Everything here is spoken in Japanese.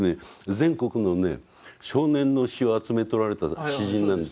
全国のね少年の詩を集めておられた詩人なんですよ。